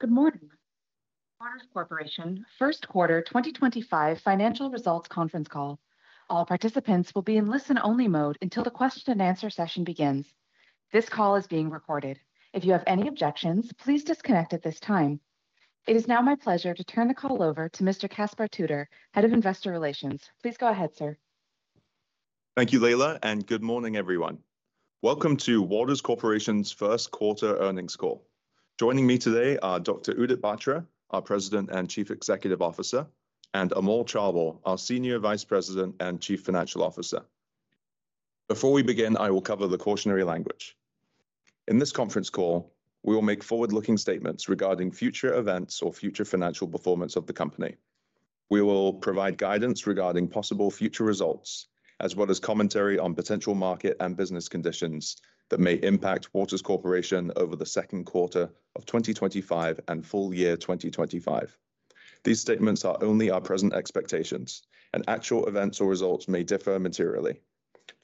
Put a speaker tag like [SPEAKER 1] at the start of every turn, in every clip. [SPEAKER 1] Good morning. Waters Corporation, first quarter 2025 financial results conference call. All participants will be in listen-only mode until the question-and-answer session begins. This call is being recorded. If you have any objections, please disconnect at this time. It is now my pleasure to turn the call over to Mr. Caspar Tudor, Head of Investor Relations. Please go ahead, sir.
[SPEAKER 2] Thank you, Leila, and good morning, everyone. Welcome to Waters Corporation's first quarter earnings call. Joining me today are Dr. Udit Batra, our President and Chief Executive Officer, and Amol Chaubal, our Senior Vice President and Chief Financial Officer. Before we begin, I will cover the cautionary language. In this conference call, we will make forward-looking statements regarding future events or future financial performance of the company. We will provide guidance regarding possible future results, as well as commentary on potential market and business conditions that may impact Waters Corporation over the second quarter of 2025 and full year 2025. These statements are only our present expectations, and actual events or results may differ materially.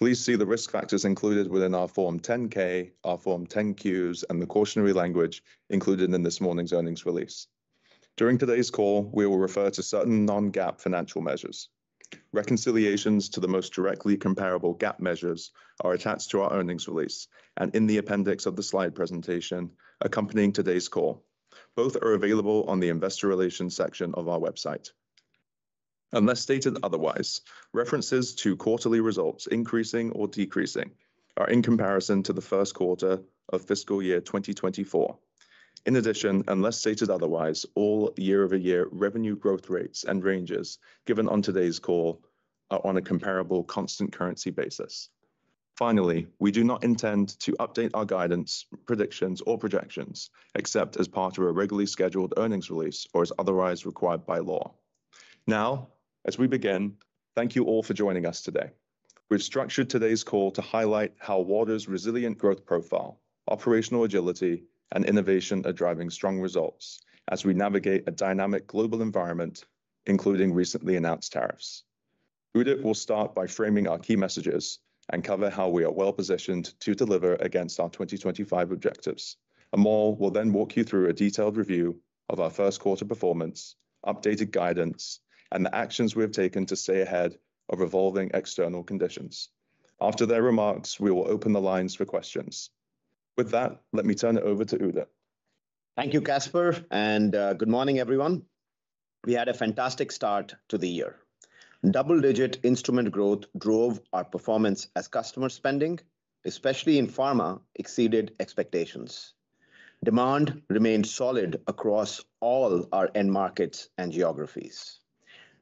[SPEAKER 2] Please see the risk factors included within our Form 10-K, our Form 10-Qs, and the cautionary language included in this morning's earnings release. During today's call, we will refer to certain non-GAAP financial measures. Reconciliations to the most directly comparable GAAP measures are attached to our earnings release and in the appendix of the slide presentation accompanying today's call. Both are available on the Investor Relations section of our website. Unless stated otherwise, references to quarterly results increasing or decreasing are in comparison to the first quarter of fiscal year 2024. In addition, unless stated otherwise, all year-over-year revenue growth rates and ranges given on today's call are on a comparable constant currency basis. Finally, we do not intend to update our guidance, predictions, or projections except as part of a regularly scheduled earnings release or as otherwise required by law. Now, as we begin, thank you all for joining us today. We have structured today's call to highlight how Waters' resilient growth profile, operational agility, and innovation are driving strong results as we navigate a dynamic global environment, including recently announced tariffs. Udit will start by framing our key messages and cover how we are well-positioned to deliver against our 2025 objectives. Amol will then walk you through a detailed review of our first quarter performance, updated guidance, and the actions we have taken to stay ahead of evolving external conditions. After their remarks, we will open the lines for questions. With that, let me turn it over to Udit.
[SPEAKER 3] Thank you, Caspar, and good morning, everyone. We had a fantastic start to the year. Double-digit instrument growth drove our performance as customer spending, especially in pharma, exceeded expectations. Demand remained solid across all our end markets and geographies.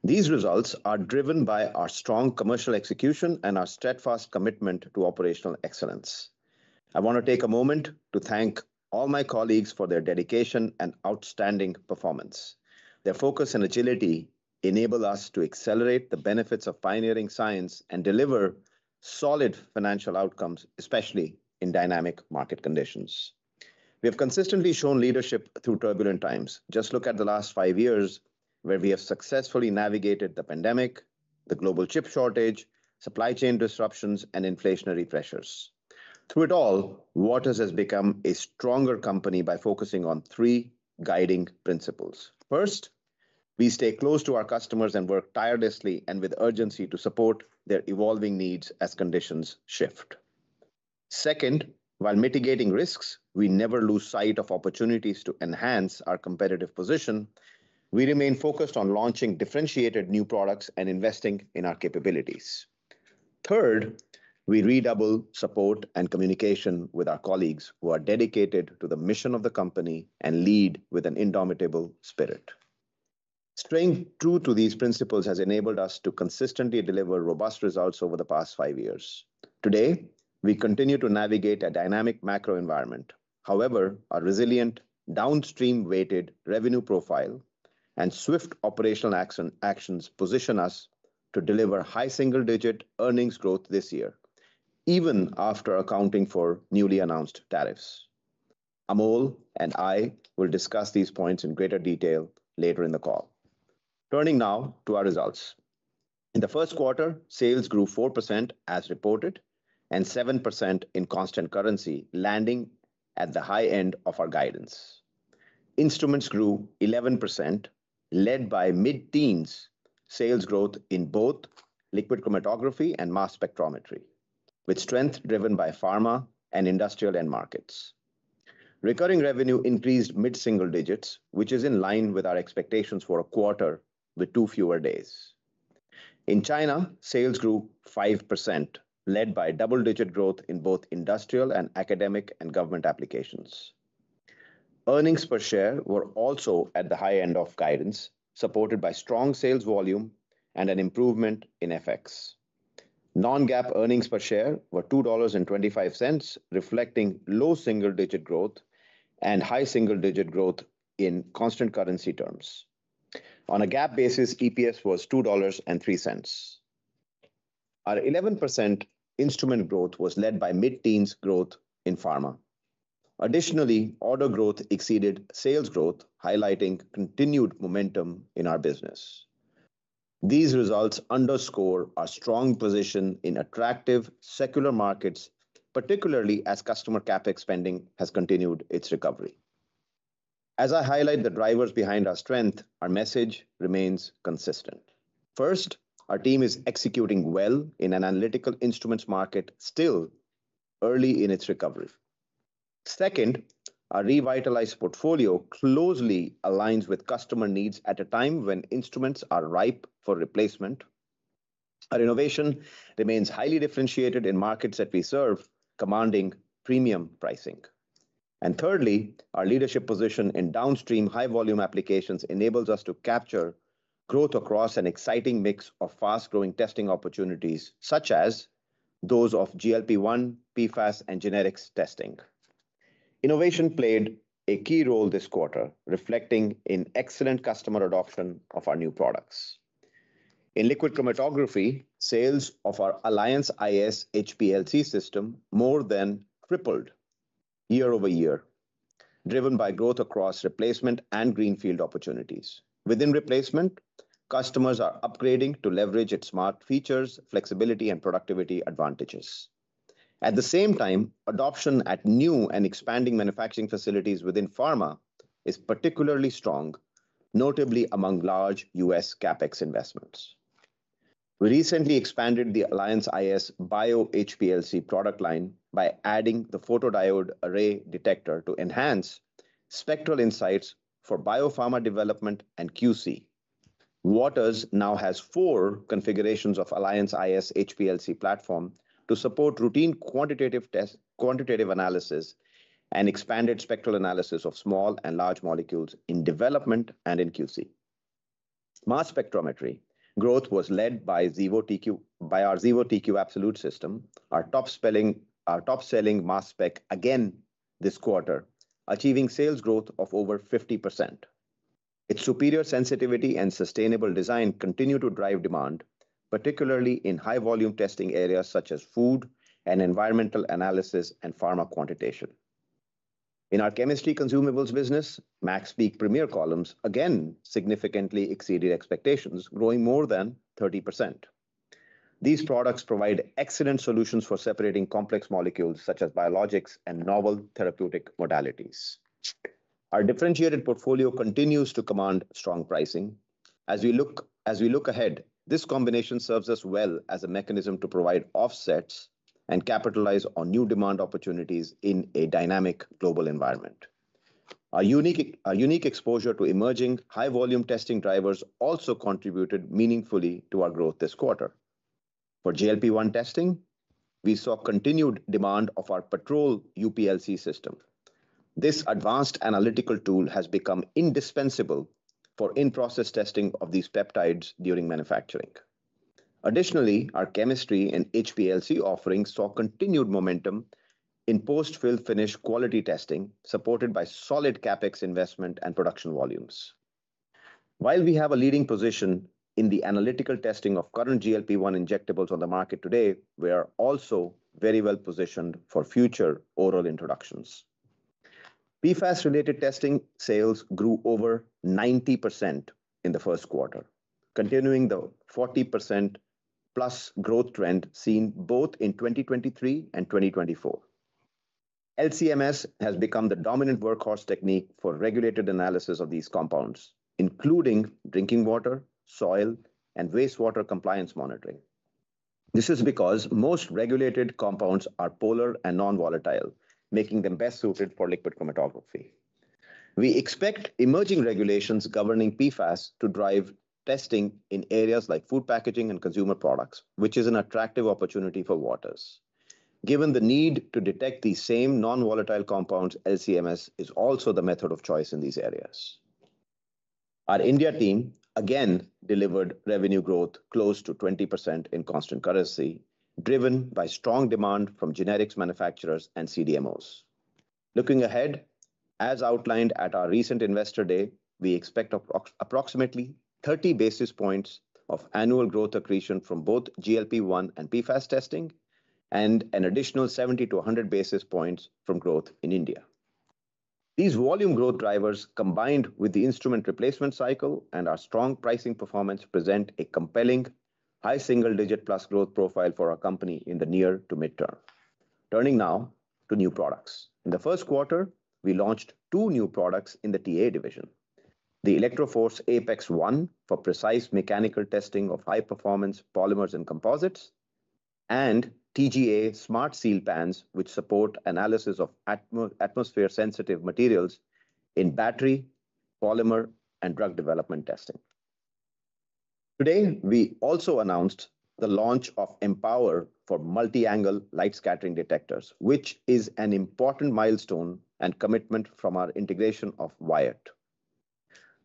[SPEAKER 3] These results are driven by our strong commercial execution and our steadfast commitment to operational excellence. I want to take a moment to thank all my colleagues for their dedication and outstanding performance. Their focus and agility enable us to accelerate the benefits of pioneering science and deliver solid financial outcomes, especially in dynamic market conditions. We have consistently shown leadership through turbulent times. Just look at the last 5 years where we have successfully navigated the pandemic, the global chip shortage, supply chain disruptions, and inflationary pressures. Through it all, Waters has become a stronger company by focusing on three guiding principles. First, we stay close to our customers and work tirelessly and with urgency to support their evolving needs as conditions shift. Second, while mitigating risks, we never lose sight of opportunities to enhance our competitive position. We remain focused on launching differentiated new products and investing in our capabilities. Third, we redouble support and communication with our colleagues who are dedicated to the mission of the company and lead with an indomitable spirit. Staying true to these principles has enabled us to consistently deliver robust results over the past 5 years. Today, we continue to navigate a dynamic macro environment. However, our resilient downstream-weighted revenue profile and swift operational actions position us to deliver high single-digit earnings growth this year, even after accounting for newly announced tariffs. Amol and I will discuss these points in greater detail later in the call. Turning now to our results. In the first quarter, sales grew 4% as reported and 7% in constant currency, landing at the high end of our guidance. Instruments grew 11%, led by mid-teens sales growth in both liquid chromatography and mass spectrometry, with strength driven by pharma and industrial end markets. Recurring revenue increased mid-single digits, which is in line with our expectations for a quarter with two fewer days. In China, sales grew 5%, led by double-digit growth in both industrial and academic and government applications. Earnings per share were also at the high end of guidance, supported by strong sales volume and an improvement in FX. Non-GAAP earnings per share were $2.25, reflecting low single-digit growth and high single-digit growth in constant currency terms. On a GAAP basis, EPS was $2.03. Our 11% instrument growth was led by mid-teens growth in pharma. Additionally, order growth exceeded sales growth, highlighting continued momentum in our business. These results underscore our strong position in attractive secular markets, particularly as customer CapEx spending has continued its recovery. As I highlight the drivers behind our strength, our message remains consistent. First, our team is executing well in an analytical instruments market, still early in its recovery. Second, our revitalized portfolio closely aligns with customer needs at a time when instruments are ripe for replacement. Our innovation remains highly differentiated in markets that we serve, commanding premium pricing. Thirdly, our leadership position in downstream high-volume applications enables us to capture growth across an exciting mix of fast-growing testing opportunities, such as those of GLP-1, PFAS, and genetics testing. Innovation played a key role this quarter, reflecting in excellent customer adoption of our new products. In liquid chromatography, sales of our Alliance iS HPLC system more than tripled year-over-year, driven by growth across replacement and greenfield opportunities. Within replacement, customers are upgrading to leverage its smart features, flexibility, and productivity advantages. At the same time, adoption at new and expanding manufacturing facilities within pharma is particularly strong, notably among large U.S. CapEx investments. We recently expanded the Alliance iS Bio HPLC product line by adding the photodiode array detector to enhance spectral insights for biopharma development and QC. Waters now has four configurations of Alliance iS HPLC platform to support routine quantitative analysis and expanded spectral analysis of small and large molecules in development and in QC. Mass spectrometry growth was led by our Xevo TQ Absolute System, our top-selling mass spec again this quarter, achieving sales growth of over 50%. Its superior sensitivity and sustainable design continue to drive demand, particularly in high-volume testing areas such as food and environmental analysis and pharma quantitation. In our chemistry consumables business, MaxPeak Premier Columns again significantly exceeded expectations, growing more than 30%. These products provide excellent solutions for separating complex molecules such as biologics and novel therapeutic modalities. Our differentiated portfolio continues to command strong pricing. As we look ahead, this combination serves us well as a mechanism to provide offsets and capitalize on new demand opportunities in a dynamic global environment. Our unique exposure to emerging high-volume testing drivers also contributed meaningfully to our growth this quarter. For GLP-1 testing, we saw continued demand of our PATROL UPLC system. This advanced analytical tool has become indispensable for in-process testing of these peptides during manufacturing. Additionally, our chemistry and HPLC offerings saw continued momentum in post-fill finish quality testing, supported by solid CapEx investment and production volumes. While we have a leading position in the analytical testing of current GLP-1 injectables on the market today, we are also very well positioned for future oral introductions. PFAS-related testing sales grew over 90% in the first quarter, continuing the 40%+ growth trend seen both in 2023 and 2024. LC-MS has become the dominant workhorse technique for regulated analysis of these compounds, including drinking water, soil, and wastewater compliance monitoring. This is because most regulated compounds are polar and non-volatile, making them best suited for liquid chromatography. We expect emerging regulations governing PFAS to drive testing in areas like food packaging and consumer products, which is an attractive opportunity for Waters. Given the need to detect these same non-volatile compounds, LC-MS is also the method of choice in these areas. Our India team again delivered revenue growth close to 20% in constant currency, driven by strong demand from genetics manufacturers and CDMOs. Looking ahead, as outlined at our recent investor day, we expect approximately 30 basis points of annual growth accretion from both GLP-1 and PFAS testing, and an additional 70-100 basis points from growth in India. These volume growth drivers, combined with the instrument replacement cycle and our strong pricing performance, present a compelling high single-digit plus growth profile for our company in the near to midterm. Turning now to new products. In the first quarter, we launched two new products in the TA division: the ElectroForce Apex 1 for precise mechanical testing of high-performance polymers and composites, and TGA Smart-Seal Pans, which support analysis of atmosphere-sensitive materials in battery, polymer, and drug development testing. Today, we also announced the launch of Empower for multi-angle light scattering detectors, which is an important milestone and commitment from our integration of Wyatt.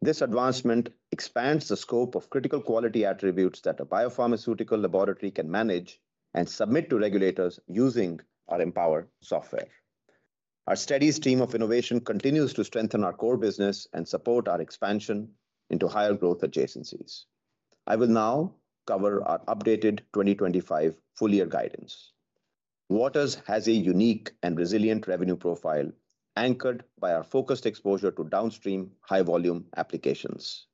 [SPEAKER 3] This advancement expands the scope of critical quality attributes that a biopharmaceutical laboratory can manage and submit to regulators using our Empower software. Our steady stream of innovation continues to strengthen our core business and support our expansion into higher growth adjacencies. I will now cover our updated 2025 full-year guidance. Waters has a unique and resilient revenue profile anchored by our focused exposure to downstream high-volume applications.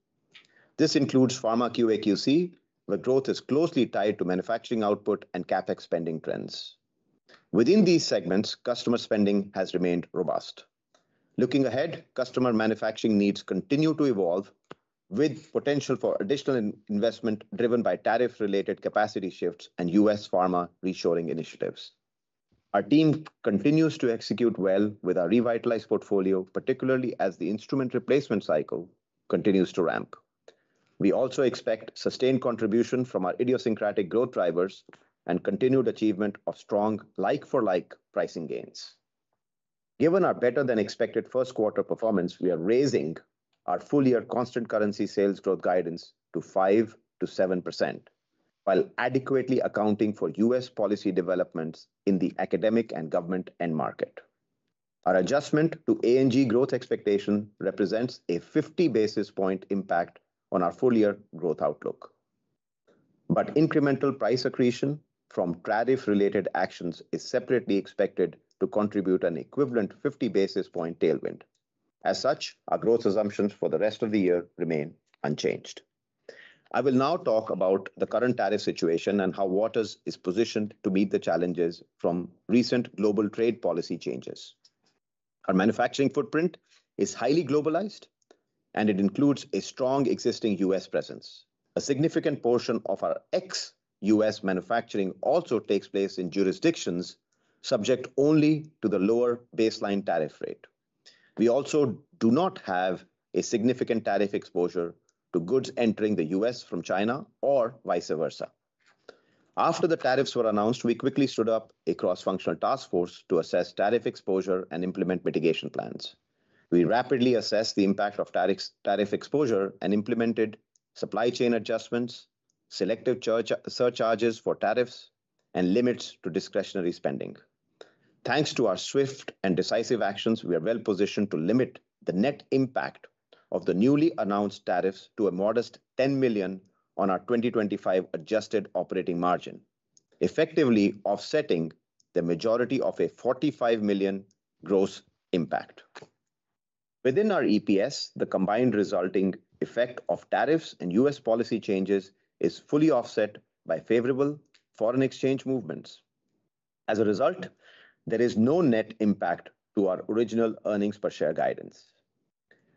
[SPEAKER 3] This includes pharma QA/QC, where growth is closely tied to manufacturing output and CapEx spending trends. Within these segments, customer spending has remained robust. Looking ahead, customer manufacturing needs continue to evolve, with potential for additional investment driven by tariff-related capacity shifts and U.S. pharma reshoring initiatives. Our team continues to execute well with our revitalized portfolio, particularly as the instrument replacement cycle continues to ramp. We also expect sustained contribution from our idiosyncratic growth drivers and continued achievement of strong like-for-like pricing gains. Given our better-than-expected first quarter performance, we are raising our full-year constant currency sales growth guidance to 5%-7%, while adequately accounting for U.S. policy developments in the academic and government end market. Our adjustment to A&G growth expectation represents a 50 basis point impact on our full-year growth outlook. Incremental price accretion from tariff-related actions is separately expected to contribute an equivalent 50 basis point tailwind. As such, our growth assumptions for the rest of the year remain unchanged. I will now talk about the current tariff situation and how Waters is positioned to meet the challenges from recent global trade policy changes. Our manufacturing footprint is highly globalized, and it includes a strong existing U.S. presence. A significant portion of our ex-US manufacturing also takes place in jurisdictions subject only to the lower baseline tariff rate. We also do not have a significant tariff exposure to goods entering the U.S. from China or vice versa. After the tariffs were announced, we quickly stood up a cross-functional task force to assess tariff exposure and implement mitigation plans. We rapidly assessed the impact of tariff exposure and implemented supply chain adjustments, selective surcharges for tariffs, and limits to discretionary spending. Thanks to our swift and decisive actions, we are well positioned to limit the net impact of the newly announced tariffs to a modest $10 million on our 2025 adjusted operating margin, effectively offsetting the majority of a $45 million gross impact. Within our EPS, the combined resulting effect of tariffs and U.S. policy changes is fully offset by favorable foreign exchange movements. As a result, there is no net impact to our original earnings per share guidance.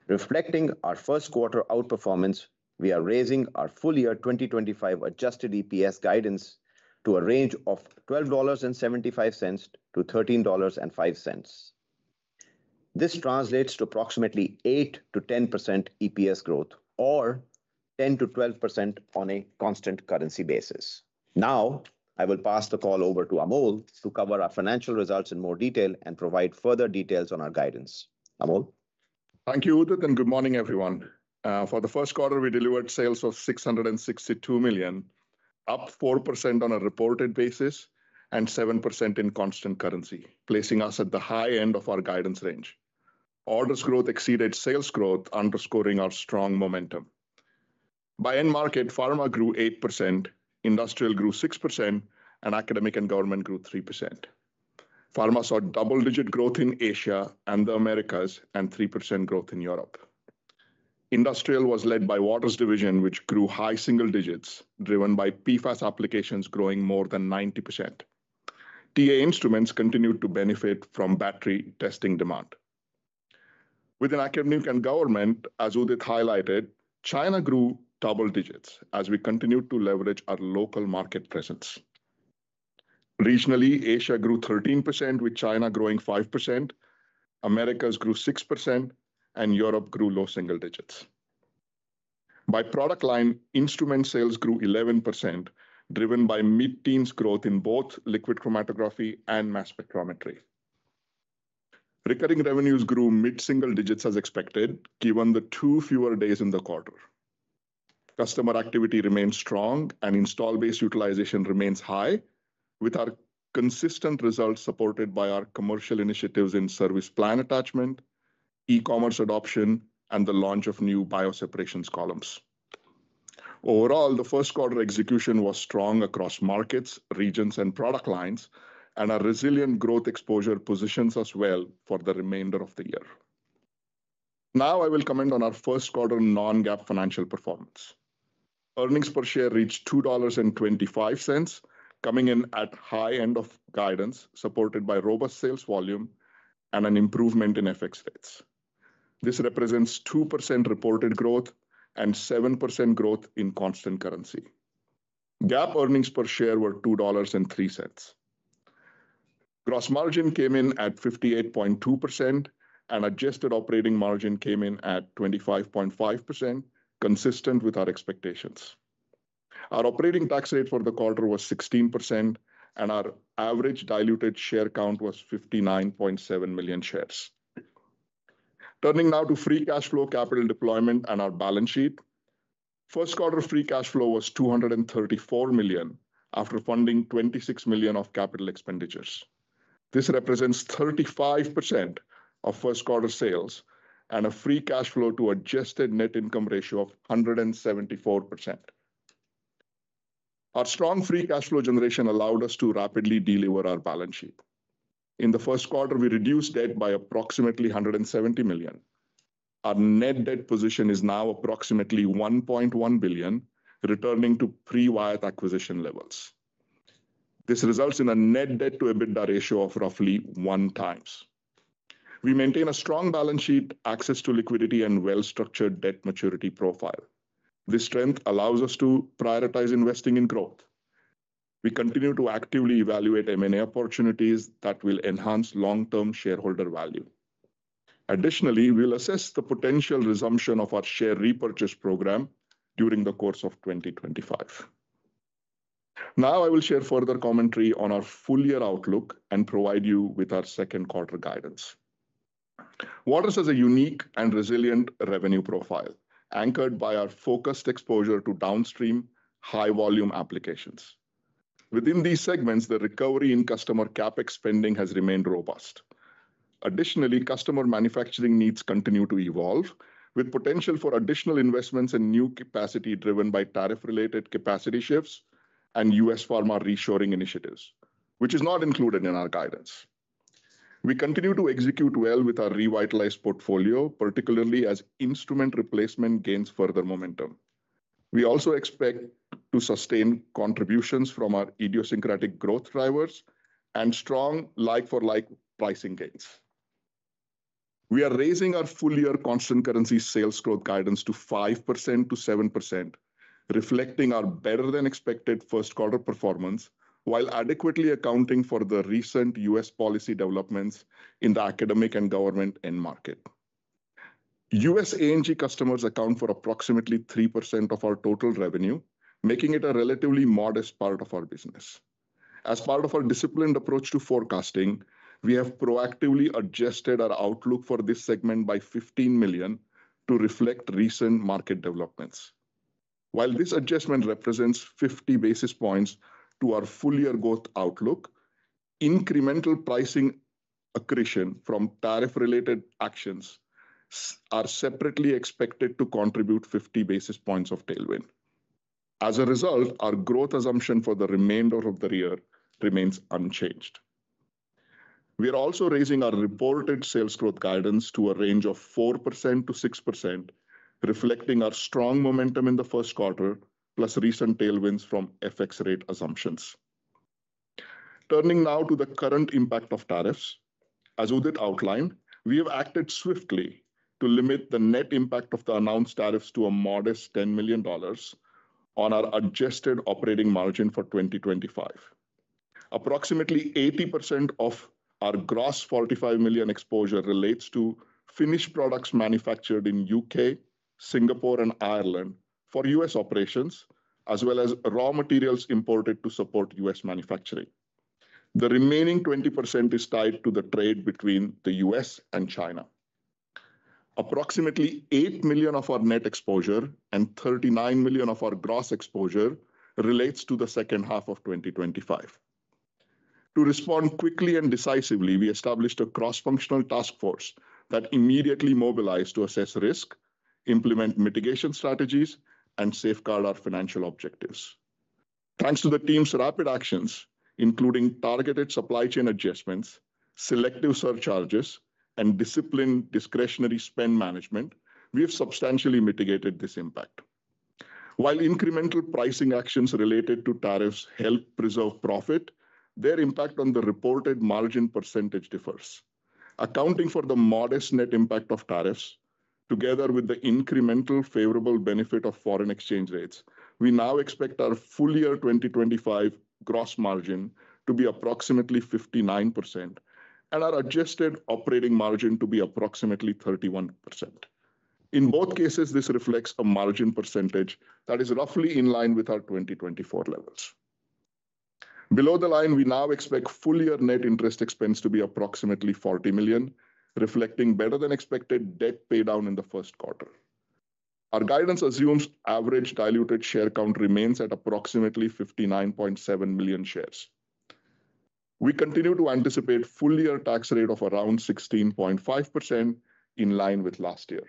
[SPEAKER 3] Reflecting our first quarter outperformance, we are raising our full-year 2025 adjusted EPS guidance to a range of $12.75-$13.05. This translates to approximately 8%-10% EPS growth, or 10%-12% on a constant currency basis. Now, I will pass the call over to Amol to cover our financial results in more detail and provide further details on our guidance. Amol.
[SPEAKER 4] Thank you, Udit, and good morning, everyone. For the first quarter, we delivered sales of $662 million, up 4% on a reported basis and 7% in constant currency, placing us at the high end of our guidance range. Orders growth exceeded sales growth, underscoring our strong momentum. By end market, pharma grew 8%, industrial grew 6%, and academic and government grew 3%. Pharma saw double-digit growth in Asia and the Americas and 3% growth in Europe. Industrial was led by Waters Division, which grew high single digits, driven by PFAS applications growing more than 90%. TA Instruments continued to benefit from battery testing demand. Within academic and government, as Udit highlighted, China grew double digits as we continued to leverage our local market presence. Regionally, Asia grew 13%, with China growing 5%. Americas grew 6%, and Europe grew low single digits. By product line, instrument sales grew 11%, driven by mid-teens growth in both liquid chromatography and mass spectrometry. Recurring revenues grew mid-single digits as expected, given the 2 fewer days in the quarter. Customer activity remained strong, and install-based utilization remains high, with our consistent results supported by our commercial initiatives in service plan attachment, e-commerce adoption, and the launch of new bioseparations columns. Overall, the first quarter execution was strong across markets, regions, and product lines, and our resilient growth exposure positions us well for the remainder of the year. Now, I will comment on our first quarter non-GAAP financial performance. Earnings per share reached $2.25, coming in at high end of guidance, supported by robust sales volume and an improvement in FX rates. This represents 2% reported growth and 7% growth in constant currency. GAAP earnings per share were $2.03. Gross margin came in at 58.2%, and adjusted operating margin came in at 25.5%, consistent with our expectations. Our operating tax rate for the quarter was 16%, and our average diluted share count was 59.7 million shares. Turning now to free cash flow, capital deployment, and our balance sheet. First quarter free cash flow was $234 million after funding $26 million of capital expenditures. This represents 35% of first quarter sales and a free cash flow to adjusted net income ratio of 174%. Our strong free cash flow generation allowed us to rapidly delever our balance sheet. In the first quarter, we reduced debt by approximately $170 million. Our net debt position is now approximately $1.1 billion, returning to pre-Wyatt acquisition levels. This results in a net debt to EBITDA ratio of roughly one times. We maintain a strong balance sheet, access to liquidity, and well-structured debt maturity profile. This strength allows us to prioritize investing in growth. We continue to actively evaluate M&A opportunities that will enhance long-term shareholder value. Additionally, we'll assess the potential resumption of our share repurchase program during the course of 2025. Now, I will share further commentary on our full-year outlook and provide you with our second quarter guidance. Waters has a unique and resilient revenue profile, anchored by our focused exposure to downstream high-volume applications. Within these segments, the recovery in customer CapEx spending has remained robust. Additionally, customer manufacturing needs continue to evolve, with potential for additional investments and new capacity driven by tariff-related capacity shifts and US pharma reshoring initiatives, which is not included in our guidance. We continue to execute well with our revitalized portfolio, particularly as instrument replacement gains further momentum. We also expect to sustain contributions from our idiosyncratic growth drivers and strong like-for-like pricing gains. We are raising our full-year constant currency sales growth guidance to 5%-7%, reflecting our better-than-expected first quarter performance, while adequately accounting for the recent U.S. policy developments in the academic and government end market. U.S. A&G customers account for approximately 3% of our total revenue, making it a relatively modest part of our business. As part of our disciplined approach to forecasting, we have proactively adjusted our outlook for this segment by $15 million to reflect recent market developments. While this adjustment represents 50 basis points to our full-year growth outlook, incremental pricing accretion from tariff-related actions are separately expected to contribute 50 basis points of tailwind. As a result, our growth assumption for the remainder of the year remains unchanged. We are also raising our reported sales growth guidance to a range of 4%-6%, reflecting our strong momentum in the first quarter, plus recent tailwinds from FX rate assumptions. Turning now to the current impact of tariffs. As Udit outlined, we have acted swiftly to limit the net impact of the announced tariffs to a modest $10 million on our adjusted operating margin for 2025. Approximately 80% of our gross $45 million exposure relates to finished products manufactured in the U.K., Singapore, and Ireland for U.S. operations, as well as raw materials imported to support U.S. manufacturing. The remaining 20% is tied to the trade between the U.S. and China. Approximately $8 million of our net exposure and $39 million of our gross exposure relates to the second half of 2025. To respond quickly and decisively, we established a cross-functional task force that immediately mobilized to assess risk, implement mitigation strategies, and safeguard our financial objectives. Thanks to the team's rapid actions, including targeted supply chain adjustments, selective surcharges, and disciplined discretionary spend management, we have substantially mitigated this impact. While incremental pricing actions related to tariffs help preserve profit, their impact on the reported margin percentage differs. Accounting for the modest net impact of tariffs, together with the incremental favorable benefit of foreign exchange rates, we now expect our full-year 2025 gross margin to be approximately 59% and our adjusted operating margin to be approximately 31%. In both cases, this reflects a margin percentage that is roughly in line with our 2024 levels. Below the line, we now expect full-year net interest expense to be approximately $40 million, reflecting better-than-expected debt paydown in the first quarter. Our guidance assumes average diluted share count remains at approximately 59.7 million shares. We continue to anticipate full-year tax rate of around 16.5% in line with last year.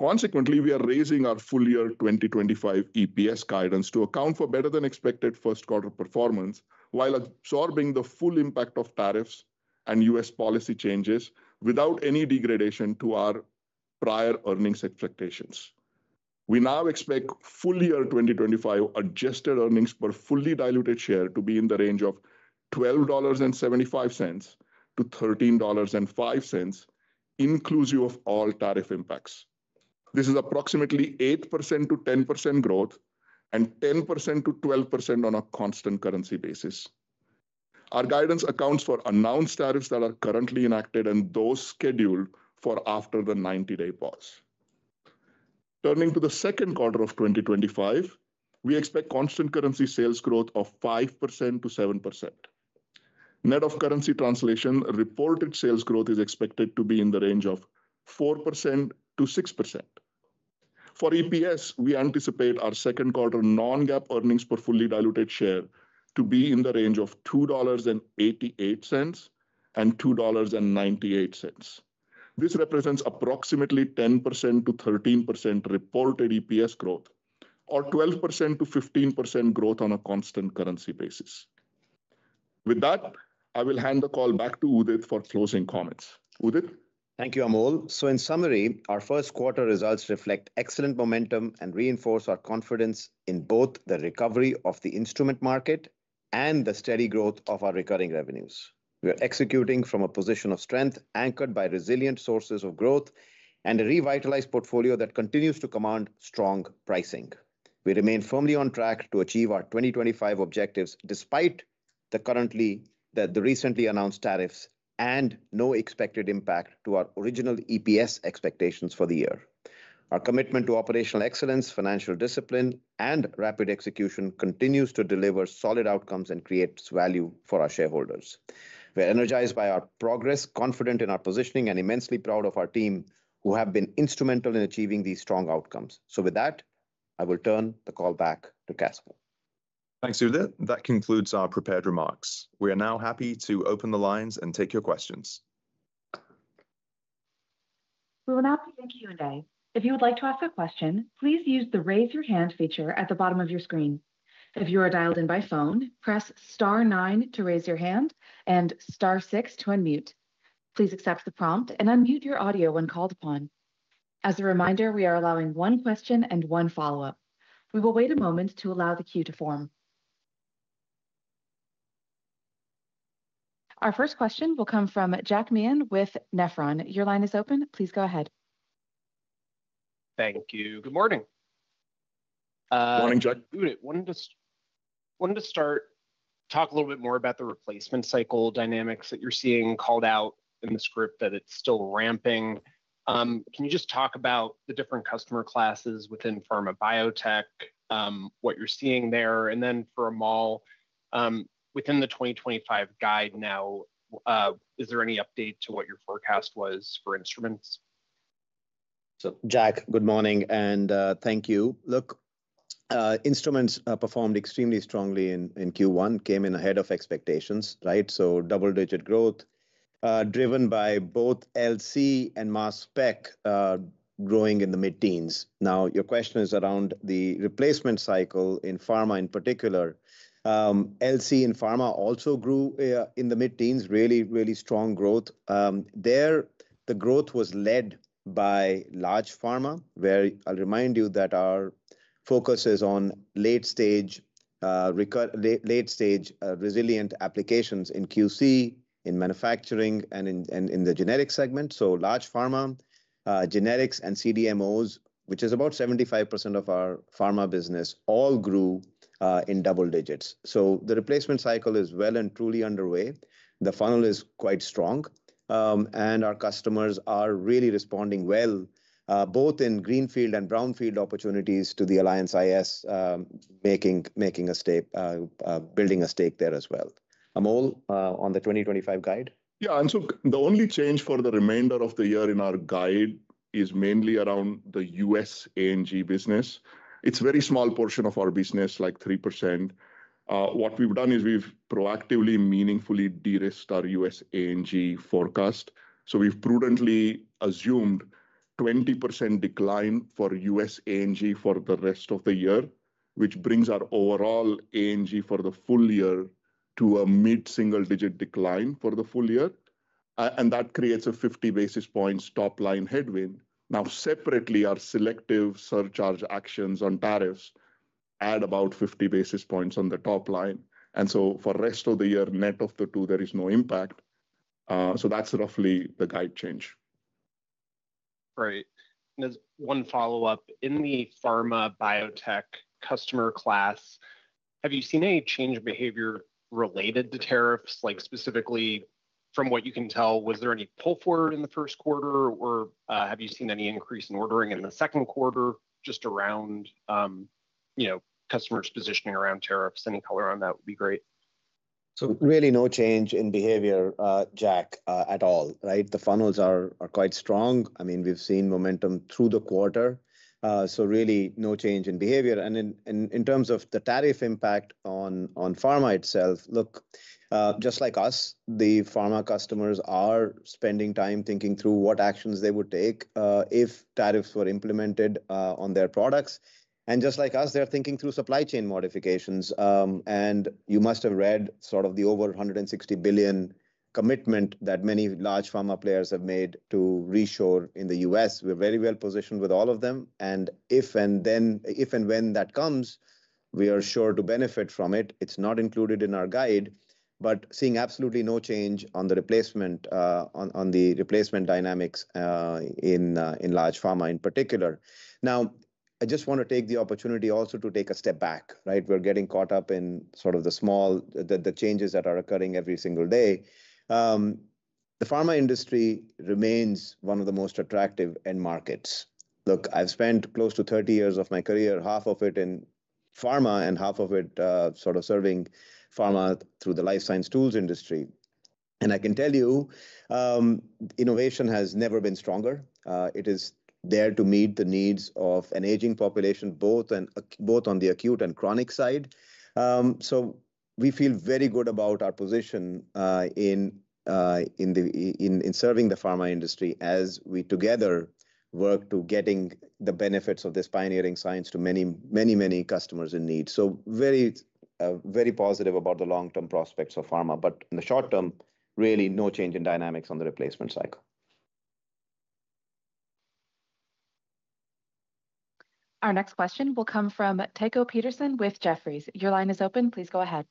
[SPEAKER 4] Consequently, we are raising our full-year 2025 EPS guidance to account for better-than-expected first quarter performance while absorbing the full impact of tariffs and US policy changes without any degradation to our prior earnings expectations. We now expect full-year 2025 adjusted earnings per fully diluted share to be in the range of $12.75-$13.05, inclusive of all tariff impacts. This is approximately 8%-10% growth and 10%-12% on a constant currency basis. Our guidance accounts for announced tariffs that are currently enacted and those scheduled for after the 90-day pause. Turning to the second quarter of 2025, we expect constant currency sales growth of 5%-7%. Net of currency translation, reported sales growth is expected to be in the range of 4%-6%. For EPS, we anticipate our second quarter non-GAAP earnings per fully diluted share to be in the range of $2.88-$2.98. This represents approximately 10%-13% reported EPS growth, or 12%-15% growth on a constant currency basis. With that, I will hand the call back to Udit for closing comments. Udit?
[SPEAKER 3] Thank you, Amol. In summary, our first quarter results reflect excellent momentum and reinforce our confidence in both the recovery of the instrument market and the steady growth of our recurring revenues. We are executing from a position of strength anchored by resilient sources of growth and a revitalized portfolio that continues to command strong pricing. We remain firmly on track to achieve our 2025 objectives despite the currently the recently announced tariffs and no expected impact to our original EPS expectations for the year. Our commitment to operational excellence, financial discipline, and rapid execution continues to deliver solid outcomes and create value for our shareholders. We are energized by our progress, confident in our positioning, and immensely proud of our team who have been instrumental in achieving these strong outcomes. With that, I will turn the call back to Caspar.
[SPEAKER 2] Thanks, Udit. That concludes our prepared remarks. We are now happy to open the lines and take your questions.
[SPEAKER 1] Thank you today. If you would like to ask a question, please use the raise your hand feature at the bottom of your screen. If you are dialed in by phone, press star nine to raise your hand and star six to unmute. Please accept the prompt and unmute your audio when called upon. As a reminder, we are allowing one question and one follow-up. We will wait a moment to allow the queue to form. Our first question will come from Jack Meehan with Nephron. Your line is open. Please go ahead.
[SPEAKER 5] Thank you. Good morning. Good morning, Udit. Wanted to start, talk a little bit more about the replacement cycle dynamics that you're seeing called out in this group, that it's still ramping. Can you just talk about the different customer classes within pharma biotech, what you're seeing there? And then for Amol, within the 2025 guide now, is there any update to what your forecast was for instruments?
[SPEAKER 3] Jack, good morning and thank you. Look, instruments performed extremely strongly in Q1, came in ahead of expectations, right? Double-digit growth driven by both LC and mass spec growing in the mid-teens. Now, your question is around the replacement cycle in pharma in particular. LC in pharma also grew in the mid-teens, really, really strong growth. There, the growth was led by large pharma, where I'll remind you that our focus is on late-stage resilient applications in QC, in manufacturing, and in the genetic segment. Large pharma, genetics, and CDMOs, which is about 75% of our pharma business, all grew in double digits. The replacement cycle is well and truly underway. The funnel is quite strong, and our customers are really responding well, both in greenfield and brownfield opportunities to the Alliance iS, making a stake, building a stake there as well. Amol, on the 2025 guide?
[SPEAKER 4] Yeah. The only change for the remainder of the year in our guide is mainly around the U.S. A&G business. It's a very small portion of our business, like 3%. What we've done is we've proactively, meaningfully de-risked our U.S. A&G forecast. We've prudently assumed a 20% decline for US A&G for the rest of the year, which brings our overall A&G for the full year to a mid-single-digit decline for the full year. That creates a 50 basis point stop-line headwind. Separately, our selective surcharge actions on tariffs add about 50 basis points on the top line. For the rest of the year, net of the two, there is no impact. That's roughly the guide change.
[SPEAKER 5] Right. As one follow-up, in the pharma biotech customer class, have you seen any change in behavior related to tariffs? Like, specifically, from what you can tell, was there any pull forward in the first quarter, or have you seen any increase in ordering in the second quarter, just around customers' positioning around tariffs? Any color on that would be great.
[SPEAKER 3] Really no change in behavior, Jack, at all, right? The funnels are quite strong. I mean, we've seen momentum through the quarter. Really no change in behavior. In terms of the tariff impact on pharma itself, look, just like us, the pharma customers are spending time thinking through what actions they would take if tariffs were implemented on their products. Just like us, they're thinking through supply chain modifications. You must have read sort of the over $160 billion commitment that many large pharma players have made to reshore in the U.S. We're very well positioned with all of them. If and when that comes, we are sure to benefit from it. It's not included in our guide, but seeing absolutely no change on the replacement dynamics in large pharma in particular. I just want to take the opportunity also to take a step back, right? We're getting caught up in sort of the small, the changes that are occurring every single day. The pharma industry remains one of the most attractive end markets. Look, I've spent close to 30 years of my career, half of it in pharma and half of it sort of serving pharma through the life science tools industry. And I can tell you, innovation has never been stronger. It is there to meet the needs of an aging population, both on the acute and chronic side. We feel very good about our position in serving the pharma industry as we together work to getting the benefits of this pioneering science to many, many, many customers in need. Very positive about the long-term prospects of pharma. In the short term, really no change in dynamics on the replacement cycle.
[SPEAKER 1] Our next question will come from Tycho Peterson with Jefferies. Your line is open. Please go ahead.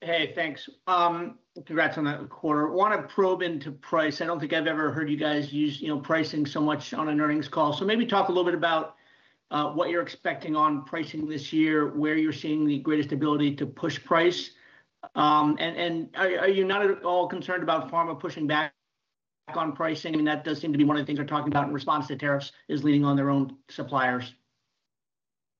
[SPEAKER 6] Hey, thanks. Congrats on that quarter. I want to probe into price. I do not think I have ever heard you guys use pricing so much on an earnings call. Maybe talk a little bit about what you are expecting on pricing this year, where you are seeing the greatest ability to push price. Are you not at all concerned about pharma pushing back on pricing? That does seem to be one of the things we're talking about in response to tariffs is leaning on their own suppliers.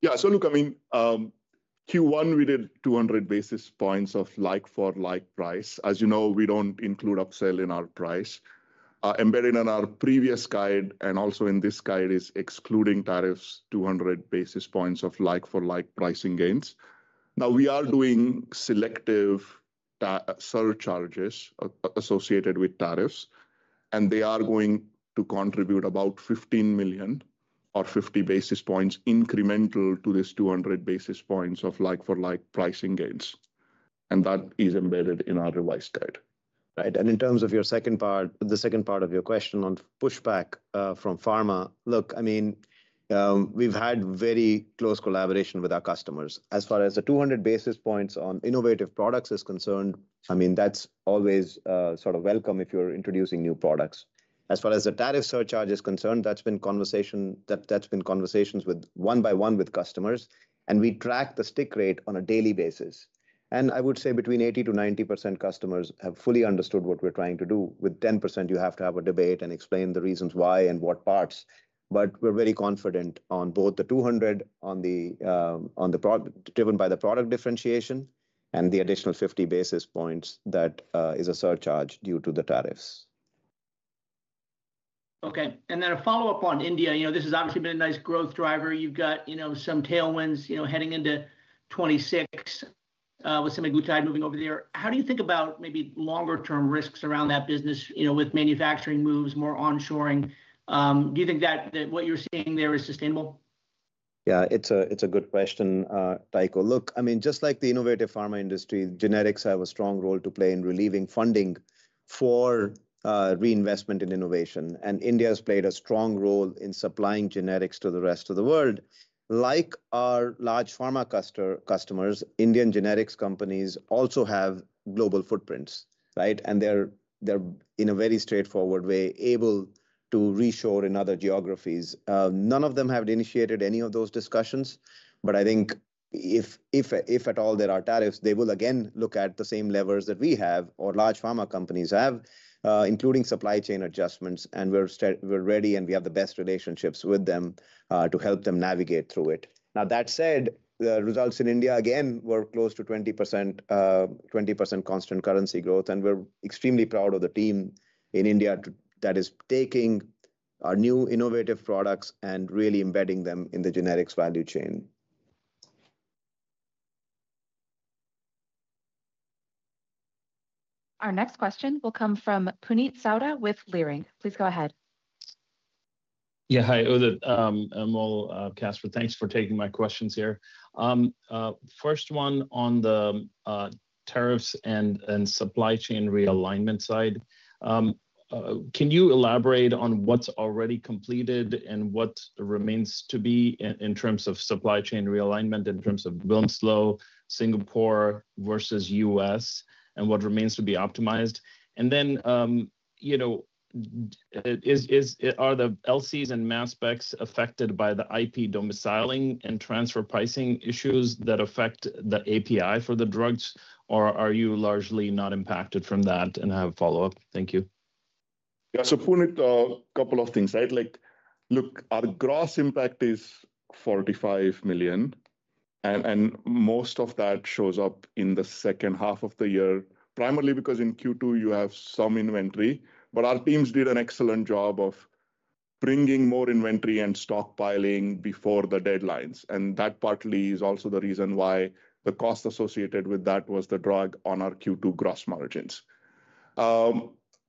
[SPEAKER 4] Yeah. Look, I mean, Q1, we did 200 basis points of like-for-like price. As you know, we don't include upsell in our price. Embedded in our previous guide and also in this guide is, excluding tariffs, 200 basis points of like-for-like pricing gains. Now, we are doing selective surcharges associated with tariffs, and they are going to contribute about $15 million or 50 basis points incremental to this 200 basis points of like-for-like pricing gains. That is embedded in our revised guide.
[SPEAKER 3] Right. In terms of your second part, the second part of your question on pushback from pharma, look, I mean, we've had very close collaboration with our customers. As far as the 200 basis points on innovative products is concerned, I mean, that's always sort of welcome if you're introducing new products. As far as the tariff surcharge is concerned, that's been conversations one by one with customers. We track the stick rate on a daily basis. I would say between 80%-90% customers have fully understood what we're trying to do. With 10%, you have to have a debate and explain the reasons why and what parts. We're very confident on both the 200 basis points driven by the product differentiation and the additional 50 basis points that is a surcharge due to the tariffs.
[SPEAKER 6] Okay. A follow-up on India. This has obviously been a nice growth driver. You've got some tailwinds heading into 2026 with some of Gujarat moving over there. How do you think about maybe longer-term risks around that business with manufacturing moves, more onshoring? Do you think that what you're seeing there is sustainable?
[SPEAKER 3] Yeah, it's a good question, Tycho. Look, I mean, just like the innovative pharma industry, genetics have a strong role to play in relieving funding for reinvestment in innovation. And India has played a strong role in supplying genetics to the rest of the world. Like our large pharma customers, Indian genetics companies also have global footprints, right? They're, in a very straightforward way, able to reshore in other geographies. None of them have initiated any of those discussions. I think if at all there are tariffs, they will again look at the same levers that we have or large pharma companies have, including supply chain adjustments. We're ready, and we have the best relationships with them to help them navigate through it. That said, the results in India, again, were close to 20% constant currency growth. We're extremely proud of the team in India that is taking our new innovative products and really embedding them in the genetics value chain.
[SPEAKER 1] Our next question will come from Puneet Souda with Leerink. Please go ahead.
[SPEAKER 7] Yeah. Hi, Amol, Caspar. Thanks for taking my questions here. First one on the tariffs and supply chain realignment side. Can you elaborate on what's already completed and what remains to be in terms of supply chain realignment, in terms of Wilmslow, Singapore versus U.S., and what remains to be optimized? Are the LCs and mass specs affected by the IP domiciling and transfer pricing issues that affect the API for the drugs? Are you largely not impacted from that and have a follow-up? Thank you.
[SPEAKER 4] Yeah. Puneet, a couple of things. Look, our gross impact is $45 million. Most of that shows up in the second half of the year, primarily because in Q2, you have some inventory. Our teams did an excellent job of bringing more inventory and stockpiling before the deadlines. That partly is also the reason why the cost associated with that was the drag on our Q2 gross margins.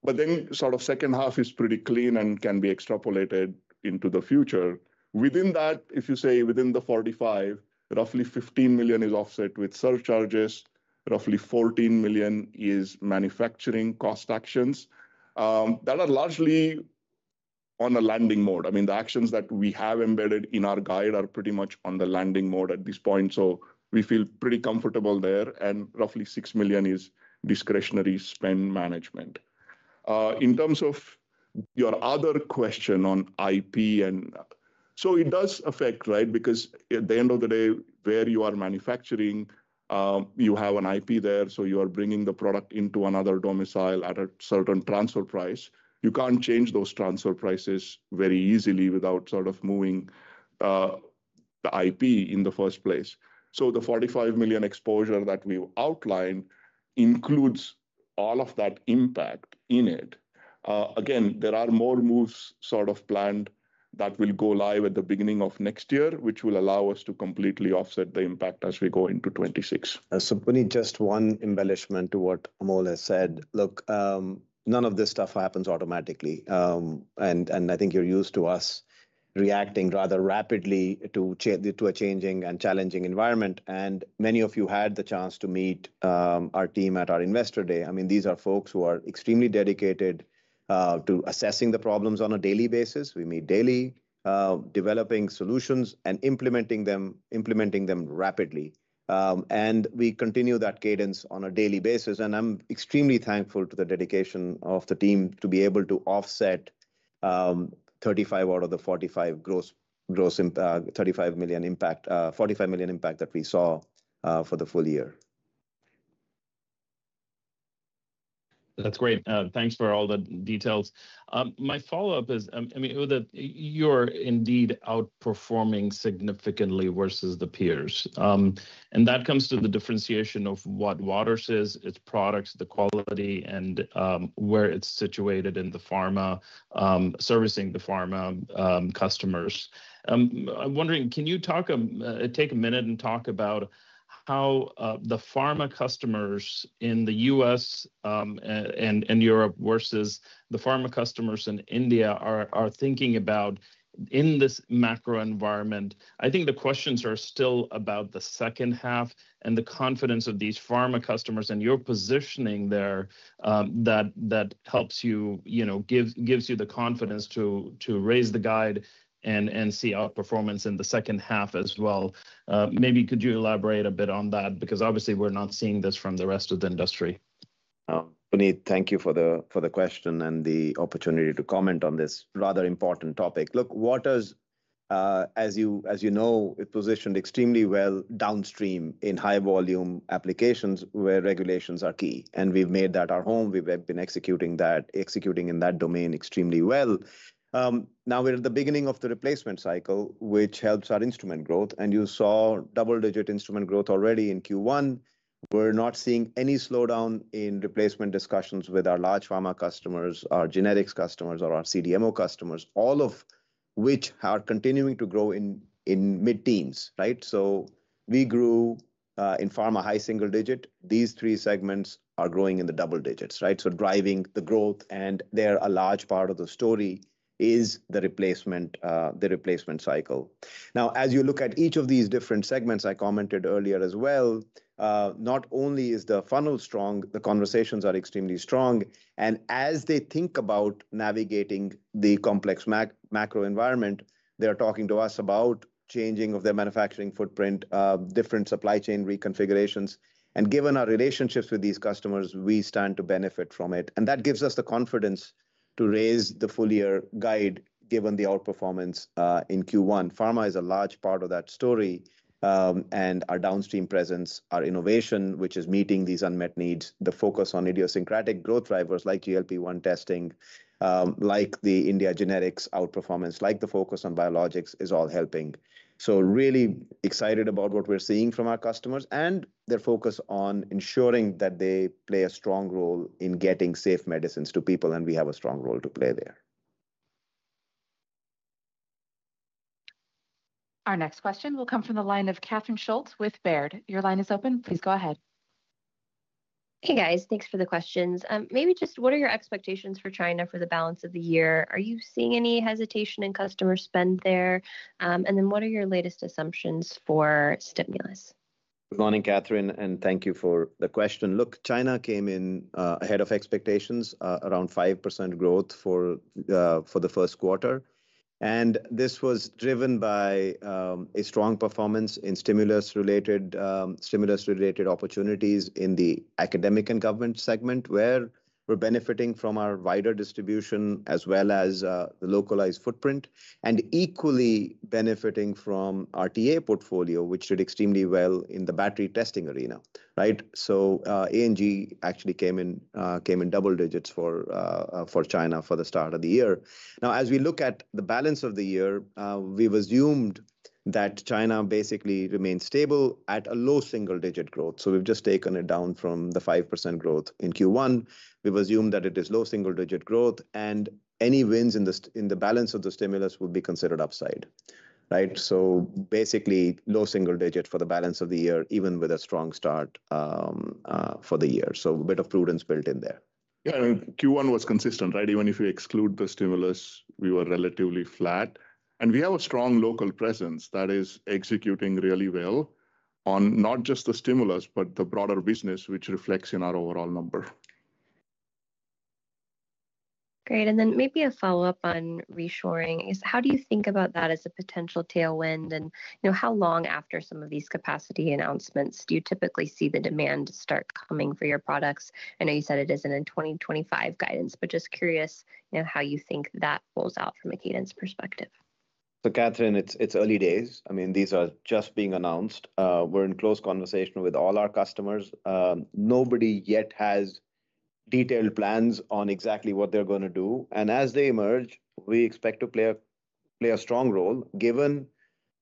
[SPEAKER 4] The second half is pretty clean and can be extrapolated into the future. Within that, if you say within the $45 million, roughly $15 million is offset with surcharges. Roughly $14 million is manufacturing cost actions that are largely on a landing mode. I mean, the actions that we have embedded in our guide are pretty much on the landing mode at this point. We feel pretty comfortable there. Roughly $6 million is discretionary spend management. In terms of your other question on IP, it does affect, right? Because at the end of the day, where you are manufacturing, you have an IP there. You are bringing the product into another domicile at a certain transfer price. You can't change those transfer prices very easily without sort of moving the IP in the first place. The $45 million exposure that we've outlined includes all of that impact in it. There are more moves sort of planned that will go live at the beginning of next year, which will allow us to completely offset the impact as we go into 2026.
[SPEAKER 3] Puneet, just one embellishment to what Amol has said. Look, none of this stuff happens automatically. I think you're used to us reacting rather rapidly to a changing and challenging environment. Many of you had the chance to meet our team at our investor day. I mean, these are folks who are extremely dedicated to assessing the problems on a daily basis. We meet daily, developing solutions and implementing them rapidly. We continue that cadence on a daily basis. I'm extremely thankful to the dedication of the team to be able to offset $35 million out of the $45 million gross impact that we saw for the full year.
[SPEAKER 7] That's great. Thanks for all the details. My follow-up is, I mean, you're indeed outperforming significantly versus the peers. That comes to the differentiation of what Waters is, its products, the quality, and where it's situated in the pharma, servicing the pharma customers. I'm wondering, can you take a minute and talk about how the pharma customers in the U.S. and Europe versus the pharma customers in India are thinking about in this macro environment? I think the questions are still about the second half and the confidence of these pharma customers and your positioning there that helps you, gives you the confidence to raise the guide and see outperformance in the second half as well. Maybe could you elaborate a bit on that? Because obviously, we're not seeing this from the rest of the industry. Puneet, thank you for the question and the opportunity to comment on this rather important topic.
[SPEAKER 3] Look, Waters, as you know, is positioned extremely well downstream in high-volume applications where regulations are key. We've made that our home. We've been executing in that domain extremely well. Now, we're at the beginning of the replacement cycle, which helps our instrument growth. You saw double-digit instrument growth already in Q1. We're not seeing any slowdown in replacement discussions with our large pharma customers, our genetics customers, or our CDMO customers, all of which are continuing to grow in mid-teens, right? We grew in pharma high single digit. These three segments are growing in the double digits, right? Driving the growth. A large part of the story is the replacement cycle. As you look at each of these different segments I commented earlier as well, not only is the funnel strong, the conversations are extremely strong. As they think about navigating the complex macro environment, they're talking to us about changing of their manufacturing footprint, different supply chain reconfigurations. Given our relationships with these customers, we stand to benefit from it. That gives us the confidence to raise the full-year guide given the outperformance in Q1. Pharma is a large part of that story. Our downstream presence, our innovation, which is meeting these unmet needs, the focus on idiosyncratic growth drivers like GLP-1 testing, like the India genetics outperformance, like the focus on biologics is all helping. Really excited about what we're seeing from our customers and their focus on ensuring that they play a strong role in getting safe medicines to people. We have a strong role to play there.
[SPEAKER 1] Our next question will come from the line of Catherine Schulte with Baird. Your line is open.
[SPEAKER 8] Please go ahead. Hey, guys. Thanks for the questions. Maybe just what are your expectations for China for the balance of the year? Are you seeing any hesitation in customer spend there? What are your latest assumptions for stimulus?
[SPEAKER 3] Good morning, Catherine. Thank you for the question. Look, China came in ahead of expectations around 5% growth for the first quarter. This was driven by a strong performance in stimulus-related opportunities in the academic and government segment, where we're benefiting from our wider distribution as well as the localized footprint and equally benefiting from our TA portfolio, which did extremely well in the battery testing arena, right? A&G actually came in double digits for China for the start of the year. Now, as we look at the balance of the year, we've assumed that China basically remains stable at a low single-digit growth. We have just taken it down from the 5% growth in Q1. We have assumed that it is low single-digit growth. Any wins in the balance of the stimulus would be considered upside, right? Basically, low single-digit for the balance of the year, even with a strong start for the year. A bit of prudence built in there.
[SPEAKER 4] Yeah. I mean, Q1 was consistent, right? Even if you exclude the stimulus, we were relatively flat. We have a strong local presence that is executing really well on not just the stimulus, but the broader business, which reflects in our overall number.
[SPEAKER 8] Great. Maybe a follow-up on reshoring. How do you think about that as a potential tailwind? How long after some of these capacity announcements do you typically see the demand start coming for your products? I know you said it isn't in 2025 guidance, but just curious how you think that rolls out from a cadence perspective.
[SPEAKER 3] Catherine, it's early days. I mean, these are just being announced. We're in close conversation with all our customers. Nobody yet has detailed plans on exactly what they're going to do. As they emerge, we expect to play a strong role given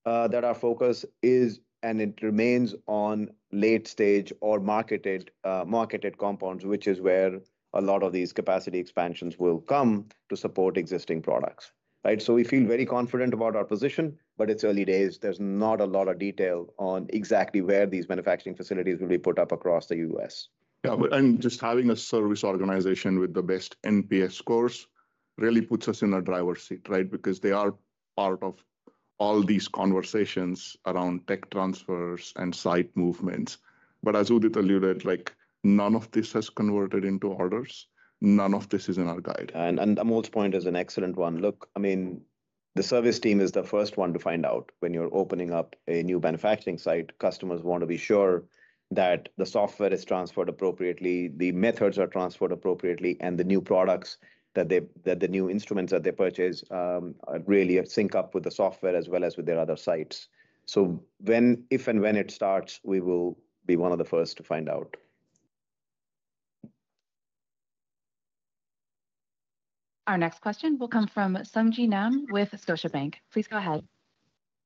[SPEAKER 3] that our focus is and it remains on late-stage or marketed compounds, which is where a lot of these capacity expansions will come to support existing products, right? We feel very confident about our position, but it's early days. There's not a lot of detail on exactly where these manufacturing facilities will be put up across the US.
[SPEAKER 4] Yeah. Just having a service organization with the best NPS scores really puts us in a driver's seat, right? Because they are part of all these conversations around tech transfers and site movements. As Udit alluded, none of this has converted into orders. None of this is in our guide.
[SPEAKER 3] Amol's point is an excellent one. Look, I mean, the service team is the first one to find out when you're opening up a new manufacturing site. Customers want to be sure that the software is transferred appropriately, the methods are transferred appropriately, and the new products, the new instruments that they purchase, really sync up with the software as well as with their other sites. If and when it starts, we will be one of the first to find out.
[SPEAKER 1] Our next question will come from Sung Ji Nam with Scotiabank. Please go ahead.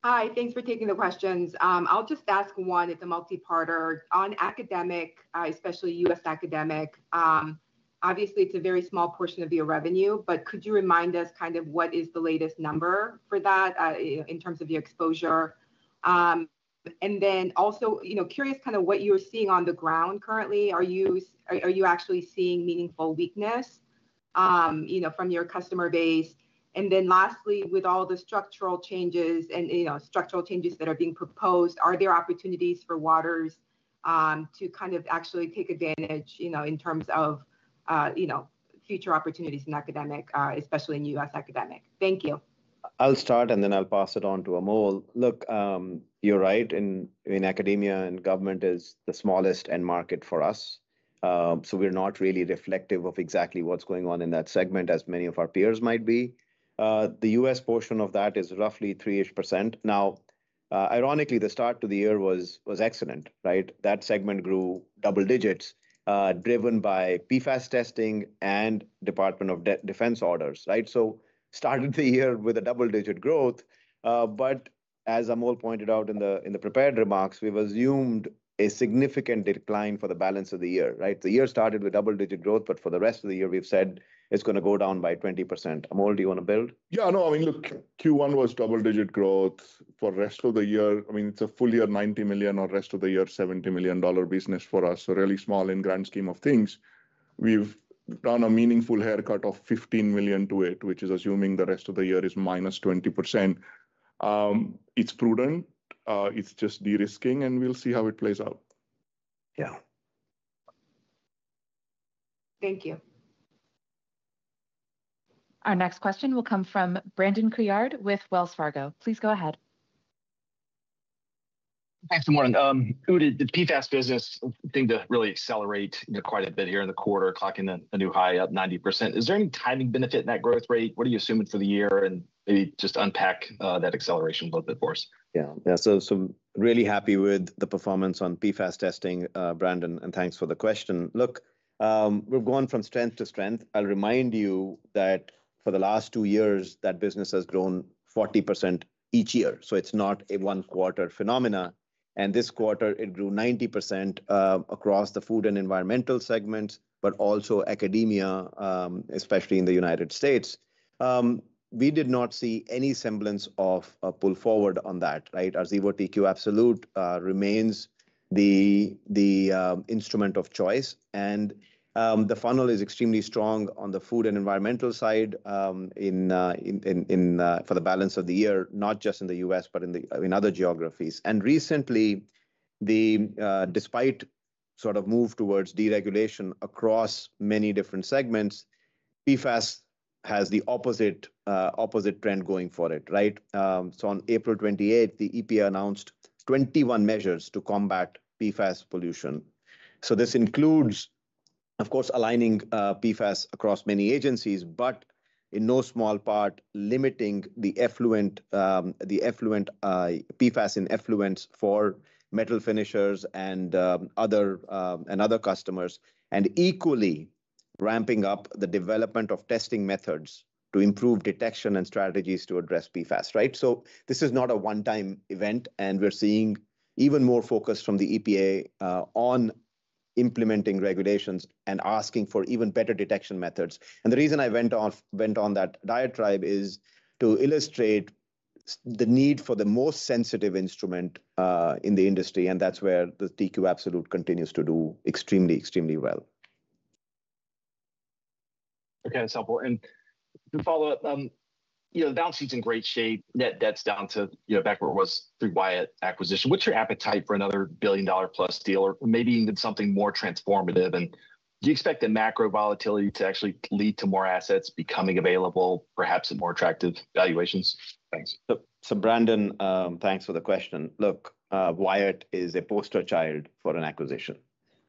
[SPEAKER 9] Hi. Thanks for taking the questions. I'll just ask one at the multi-part on academic, especially U.S. academic. Obviously, it's a very small portion of your revenue, but could you remind us kind of what is the latest number for that in terms of your exposure? Also curious kind of what you're seeing on the ground currently. Are you actually seeing meaningful weakness from your customer base? Lastly, with all the structural changes and structural changes that are being proposed, are there opportunities for Waters to kind of actually take advantage in terms of future opportunities in academic, especially in U.S. academic? Thank you.
[SPEAKER 3] I'll start, and then I'll pass it on to Amol. Look, you're right. In academia, government is the smallest end market for us. We're not really reflective of exactly what's going on in that segment, as many of our peers might be. The U.S. portion of that is roughly 3%. Now, ironically, the start to the year was excellent, right? That segment grew double digits, driven by PFAS testing and Department of Defense orders, right? Started the year with double-digit growth. As Amol pointed out in the prepared remarks, we've assumed a significant decline for the balance of the year, right? The year started with double-digit growth, but for the rest of the year, we've said it's going to go down by 20%. Amol, do you want to build?
[SPEAKER 4] Yeah. No, I mean, look, Q1 was double-digit growth. For the rest of the year, I mean, it's a full-year $90 million or rest of the year $70 million business for us, so really small in the grand scheme of things. We've done a meaningful haircut of $15 million to it, which is assuming the rest of the year is minus 20%. It's prudent. It's just de-risking, and we'll see how it plays out.
[SPEAKER 3] Yeah.
[SPEAKER 9] Thank you.
[SPEAKER 1] Our next question will come from Brandon Couillard with Wells Fargo. Please go ahead.
[SPEAKER 10] Thanks for the morning. The PFAS business seemed to really accelerate quite a bit here in the quarter, clocking a new high at 90%. Is there any timing benefit in that growth rate? What are you assuming for the year? And maybe just unpack that acceleration a little bit for us.
[SPEAKER 3] Yeah. Yeah. So really happy with the performance on PFAS testing, Brandon, and thanks for the question. Look, we've gone from strength to strength. I'll remind you that for the last 2 years, that business has grown 40% each year. So it's not a one-quarter phenomenon. This quarter, it grew 90% across the food and environmental segments, but also academia, especially in the United States. We did not see any semblance of a pull forward on that, right? Our Xevo TQ Absolute remains the instrument of choice. The funnel is extremely strong on the food and environmental side for the balance of the year, not just in the U.S., but in other geographies. Recently, despite sort of moving towards deregulation across many different segments, PFAS has the opposite trend going for it, right? On April 28, the EPA announced 21 measures to combat PFAS pollution. This includes, of course, aligning PFAS across many agencies, but in no small part, limiting the effluent, the effluent PFAS in effluents for metal finishers and other customers, and equally ramping up the development of testing methods to improve detection and strategies to address PFAS, right? This is not a one-time event. We're seeing even more focus from the EPA on implementing regulations and asking for even better detection methods. The reason I went on that diatribe is to illustrate the need for the most sensitive instrument in the industry. That's where the TQ Absolute continues to do extremely, extremely well.
[SPEAKER 10] Okay. That's helpful. To follow up, the balance sheet's in great shape. Net debt's down to back where it was through Wyatt acquisition. What's your appetite for another billion-dollar-plus deal or maybe even something more transformative? Do you expect the macro volatility to actually lead to more assets becoming available, perhaps at more attractive valuations?
[SPEAKER 3] Thanks. Brandon, thanks for the question. Look, Wyatt is a poster child for an acquisition.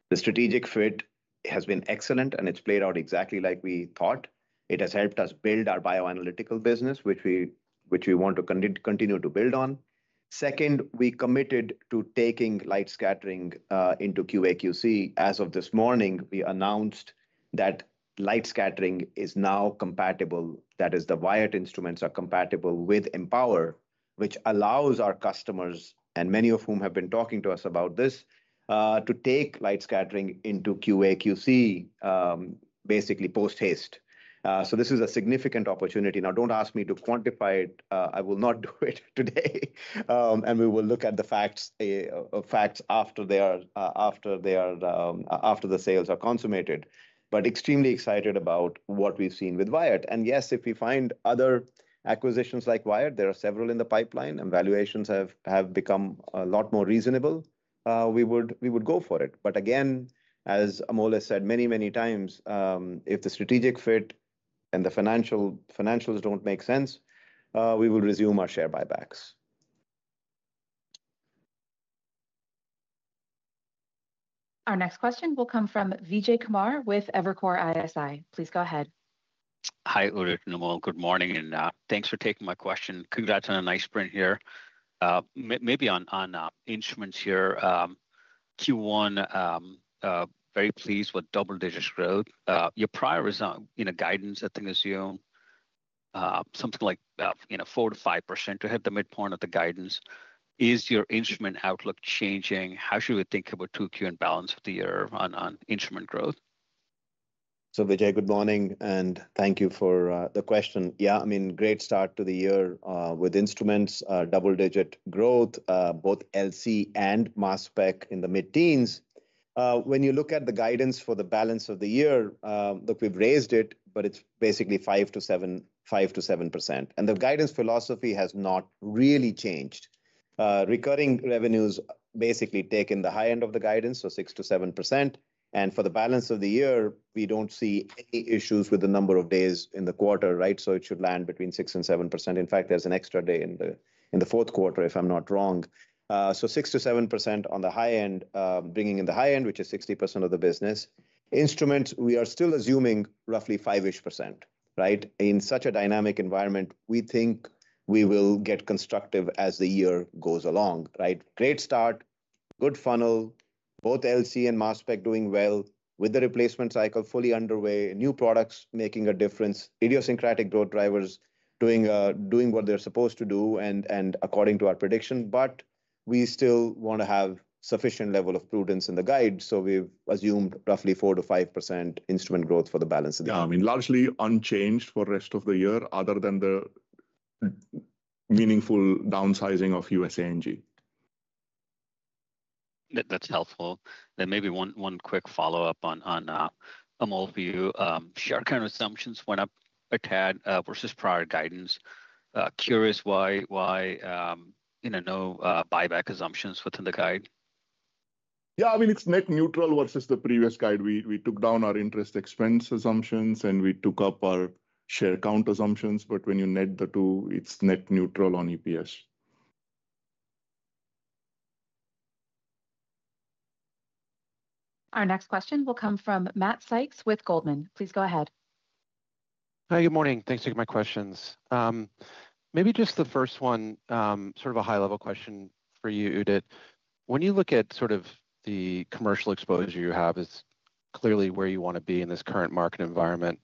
[SPEAKER 3] The strategic fit has been excellent, and it's played out exactly like we thought. It has helped us build our bioanalytical business, which we want to continue to build on. Second, we committed to taking light scattering into QA/QC. As of this morning, we announced that light scattering is now compatible. That is, the Wyatt instruments are compatible with Empower, which allows our customers, and many of whom have been talking to us about this, to take light scattering into QA/QC, basically post-haste. This is a significant opportunity. Now, do not ask me to quantify it. I will not do it today. We will look at the facts after they are after the sales are consummated, but extremely excited about what we've seen with Wyatt. Yes, if we find other acquisitions like Wyatt, there are several in the pipeline, and valuations have become a lot more reasonable, we would go for it. But again, as Amol has said many, many times, if the strategic fit and the financials do not make sense, we will resume our share buybacks.
[SPEAKER 1] Our next question will come from Vijay Kumar with Evercore ISI. Please go ahead.
[SPEAKER 11] Hi, Udit and Amol. Good morning. And thanks for taking my question. Congrats on a nice sprint here. Maybe on instruments here, Q1, very pleased with double-digit growth. Your prior guidance, I think, assumed something like 4%-5% to hit the midpoint of the guidance. Is your instrument outlook changing? How should we think about 2Q and balance of the year on instrument growth?
[SPEAKER 3] Vijay, good morning. And thank you for the question. Yeah. I mean, great start to the year with instruments, double-digit growth, both LC and mass spec in the mid-teens. When you look at the guidance for the balance of the year, look, we've raised it, but it's basically 5%-7%. The guidance philosophy has not really changed. Recurring revenues basically take in the high end of the guidance, so 6%-7%. For the balance of the year, we do not see any issues with the number of days in the quarter, right? It should land between 6% and 7%. In fact, there is an extra day in the fourth quarter, if I'm not wrong. 6%-7% on the high end, bringing in the high end, which is 60% of the business. Instruments, we are still assuming roughly 5%-ish, right? In such a dynamic environment, we think we will get constructive as the year goes along, right? Great start, good funnel, both LC and mass spec doing well with the replacement cycle fully underway, new products making a difference, idiosyncratic growth drivers doing what they're supposed to do and according to our prediction. We still want to have a sufficient level of prudence in the guide. We've assumed roughly 4%-5% instrument growth for the balance of the year.
[SPEAKER 4] Yeah. I mean, largely unchanged for the rest of the year other than the meaningful downsizing of U.S. A&G. That's helpful.
[SPEAKER 11] Maybe one quick follow-up on Amol for you. Share kind of assumptions went up a tad versus prior guidance. Curious why no buyback assumptions within the guide.
[SPEAKER 4] Yeah. I mean, it's net neutral versus the previous guide. We took down our interest expense assumptions, and we took up our share count assumptions. When you net the two, it's net neutral on EPS.
[SPEAKER 1] Our next question will come from Matt Sykes with Goldman. Please go ahead.
[SPEAKER 12] Hi. Good morning. Thanks for taking my questions. Maybe just the first one, sort of a high-level question for you, Udit. When you look at sort of the commercial exposure you have, it's clearly where you want to be in this current market environment.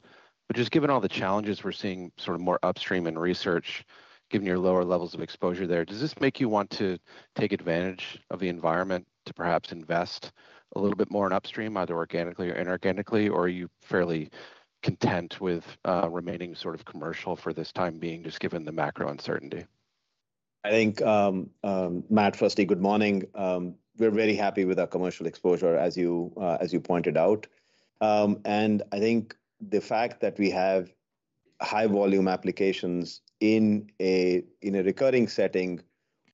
[SPEAKER 12] Just given all the challenges we're seeing sort of more upstream in research, given your lower levels of exposure there, does this make you want to take advantage of the environment to perhaps invest a little bit more in upstream, either organically or inorganically, or are you fairly content with remaining sort of commercial for this time being, just given the macro uncertainty?
[SPEAKER 3] I think, Matt, firstly, good morning. We're very happy with our commercial exposure, as you pointed out. I think the fact that we have high-volume applications in a recurring setting,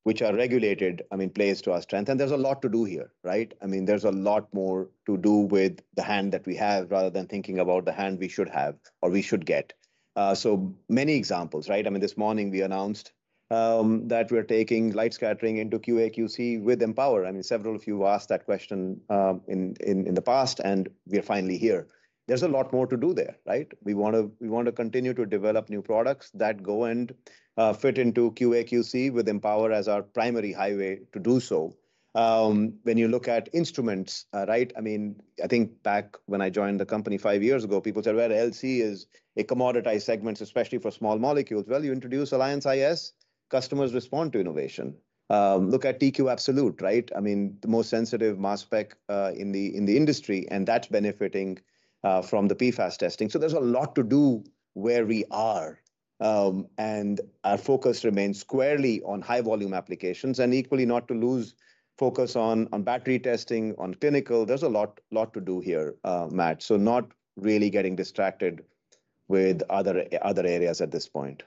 [SPEAKER 3] which are regulated, I mean, plays to our strength. There is a lot to do here, right? I mean, there is a lot more to do with the hand that we have rather than thinking about the hand we should have or we should get. So many examples, right? I mean, this morning, we announced that we are taking light scattering into QA/QC with Empower. I mean, several of you have asked that question in the past, and we are finally here. There is a lot more to do there, right? We want to continue to develop new products that go and fit into QA/QC with Empower as our primary highway to do so. When you look at instruments, right? I mean, I think back when I joined the company 5 years ago, people said, "Well, LC is a commoditized segment, especially for small molecules." You introduce Alliance iS, customers respond to innovation. Look at TQ Absolute, right? I mean, the most sensitive mass spec in the industry, and that's benefiting from the PFAS testing. There is a lot to do where we are. Our focus remains squarely on high-volume applications and equally not to lose focus on battery testing, on clinical. There is a lot to do here, Matt. Not really getting distracted with other areas at this point.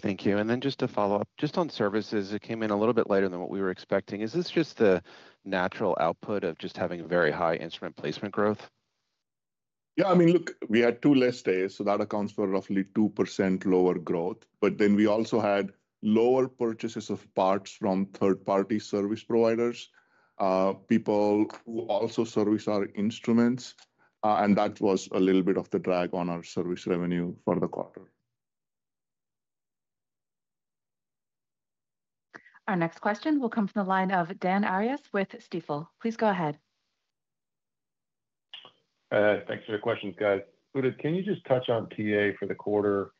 [SPEAKER 12] Thank you. Just to follow up, just on services, it came in a little bit later than what we were expecting. Is this just the natural output of just having very high instrument placement growth?
[SPEAKER 4] Yeah. I mean, look, we had two less days, so that accounts for roughly 2% lower growth. But then we also had lower purchases of parts from third-party service providers, people who also service our instruments. And that was a little bit of the drag on our service revenue for the quarter.
[SPEAKER 1] Our next question will come from the line of Dan Arias with Stifel. Please go ahead.
[SPEAKER 13] Thanks for the questions, guys. Udit, can you just touch on TA for the quarter?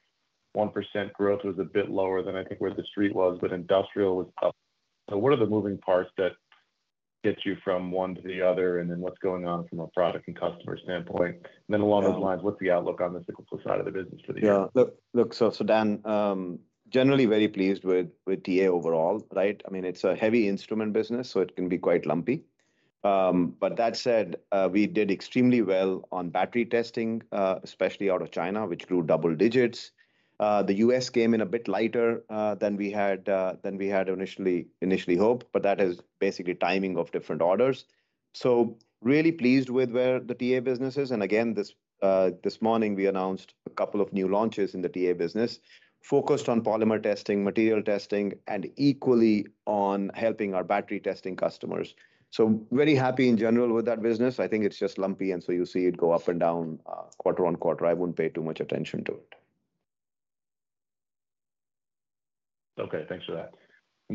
[SPEAKER 13] 1% growth was a bit lower than I think where the street was, but industrial was up. So what are the moving parts that get you from one to the other, and then what's going on from a product and customer standpoint? And then along those lines, what's the outlook on the cyclical side of the business for the year?
[SPEAKER 3] Yeah. Look, so Dan, generally very pleased with TA overall, right? I mean, it's a heavy instrument business, so it can be quite lumpy. That said, we did extremely well on battery testing, especially out of China, which grew double digits. The U.S. came in a bit lighter than we had initially hoped, but that is basically timing of different orders. Really pleased with where the TA business is. Again, this morning, we announced a couple of new launches in the TA business focused on polymer testing, material testing, and equally on helping our battery testing customers. Very happy in general with that business. I think it's just lumpy, and you see it go up and down quarter on quarter. I wouldn't pay too much attention to it.
[SPEAKER 13] Okay. Thanks for that.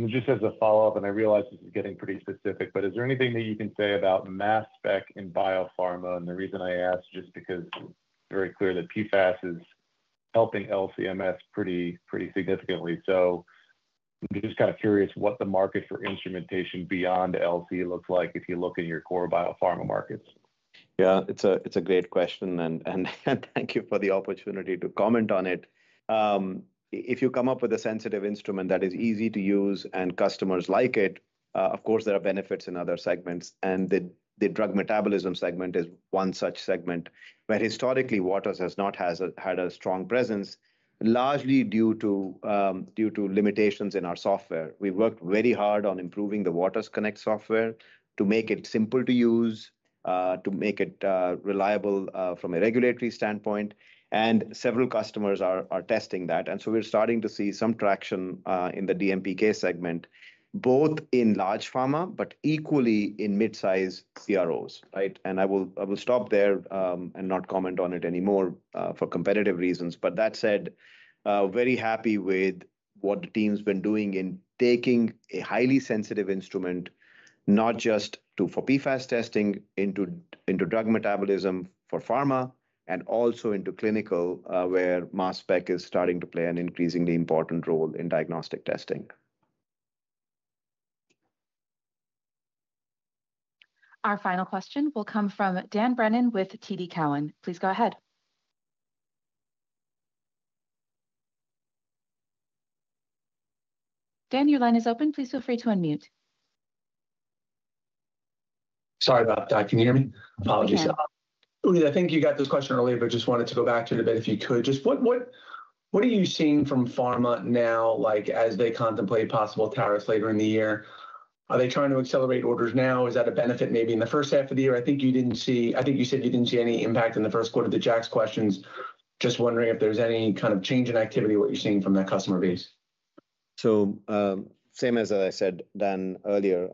[SPEAKER 13] Just as a follow-up, and I realize this is getting pretty specific, is there anything that you can say about mass spec in biopharma? The reason I asked is just because it is very clear that PFAS is helping LC-MS pretty significantly. I am just kind of curious what the market for instrumentation beyond LC looks like if you look in your core biopharma markets.
[SPEAKER 3] Yeah. It is a great question, and thank you for the opportunity to comment on it. If you come up with a sensitive instrument that is easy to use and customers like it, of course, there are benefits in other segments. The drug metabolism segment is one such segment where historically Waters has not had a strong presence, largely due to limitations in our software. We've worked very hard on improving the Waters Connect software to make it simple to use, to make it reliable from a regulatory standpoint. Several customers are testing that. We are starting to see some traction in the DMPK segment, both in large pharma but equally in mid-size CROs, right? I will stop there and not comment on it anymore for competitive reasons. That said, very happy with what the team's been doing in taking a highly sensitive instrument, not just for PFAS testing, into drug metabolism for pharma and also into clinical, where mass spec is starting to play an increasingly important role in diagnostic testing.
[SPEAKER 1] Our final question will come from Dan Brennan with TD Cowen. Please go ahead. Dan, your line is open. Please feel free to unmute.
[SPEAKER 14] Sorry about that. Can you hear me? Apologies. I think you got this question earlier, but just wanted to go back to it a bit if you could. Just what are you seeing from pharma now as they contemplate possible tariffs later in the year? Are they trying to accelerate orders now? Is that a benefit maybe in the first half of the year? I think you didn't see—I think you said you didn't see any impact in the first quarter of the Jack's questions. Just wondering if there's any kind of change in activity of what you're seeing from that customer base.
[SPEAKER 3] Same as I said, Dan, earlier,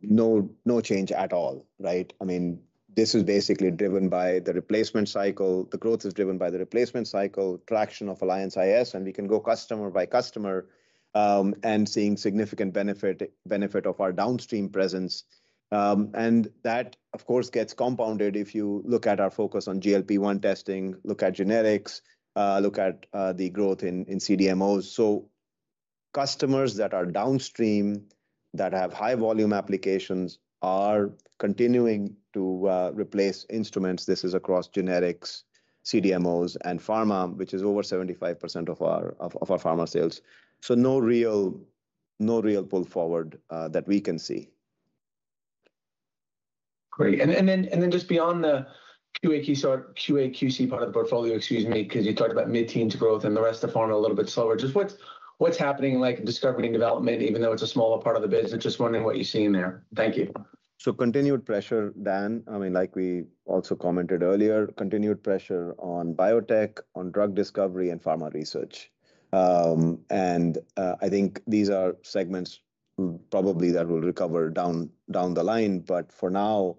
[SPEAKER 3] no change at all, right? I mean, this is basically driven by the replacement cycle. The growth is driven by the replacement cycle, traction of Alliance iS, and we can go customer by customer and seeing significant benefit of our downstream presence. That, of course, gets compounded if you look at our focus on GLP-1 testing, look at generics, look at the growth in CDMOs. Customers that are downstream that have high-volume applications are continuing to replace instruments. This is across generics, CDMOs, and pharma, which is over 75% of our pharma sales. No real pull forward that we can see.
[SPEAKER 14] Great. Just beyond the QA/QC part of the portfolio, excuse me, because you talked about mid-teens growth and the rest of pharma a little bit slower. Just what's happening in discovery and development, even though it's a smaller part of the business? Just wondering what you're seeing there. Thank you.
[SPEAKER 3] Continued pressure, Dan. I mean, like we also commented earlier, continued pressure on biotech, on drug discovery, and pharma research. I think these are segments probably that will recover down the line. For now,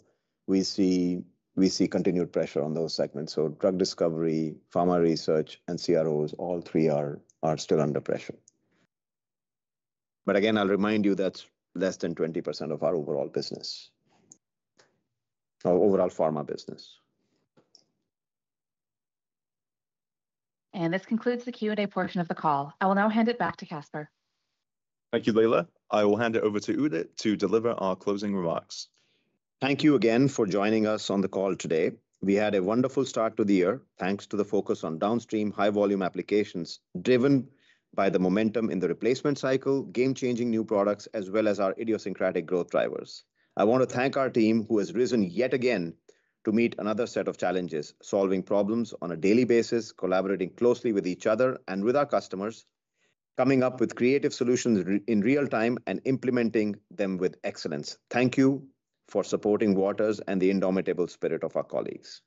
[SPEAKER 3] we see continued pressure on those segments. Drug discovery, pharma research, and CROs, all three are still under pressure. Again, I'll remind you that's less than 20% of our overall business, our overall pharma business.
[SPEAKER 1] This concludes the Q&A portion of the call. I will now hand it back to Caspar.
[SPEAKER 2] Thank you, Leila. I will hand it over to Udit to deliver our closing remarks.
[SPEAKER 3] Thank you again for joining us on the call today. We had a wonderful start to the year, thanks to the focus on downstream high-volume applications driven by the momentum in the replacement cycle, game-changing new products, as well as our idiosyncratic growth drivers. I want to thank our team who has risen yet again to meet another set of challenges, solving problems on a daily basis, collaborating closely with each other and with our customers, coming up with creative solutions in real time and implementing them with excellence. Thank you for supporting Waters and the indomitable spirit of our colleagues.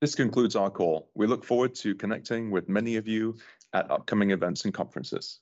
[SPEAKER 2] This concludes our call. We look forward to connecting with many of you at upcoming events and conferences.